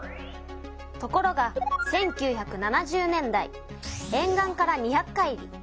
ところが１９７０年代えん岸から２００海里